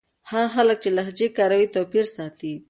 هغه خلک چې لهجې کاروي توپير ساتي.